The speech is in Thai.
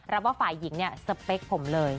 รับว่าฝ่ายหญิงเนี่ยสเปคผมเลย